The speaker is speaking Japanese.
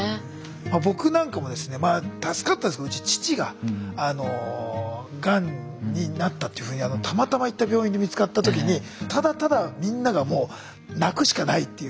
まあ僕なんかもですねまあ助かったんですけど父ががんになったっていうふうにたまたま行った病院で見つかった時にただただみんながもう泣くしかないっていう。